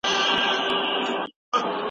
د غلجیو کارنامي تاریخي ارزښت لري